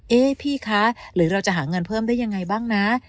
พี่คะหรือเราจะหาเงินเพิ่มได้ยังไงบ้างนะ